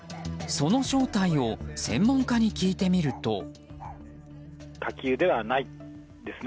その正体を専門家に聞いてみると。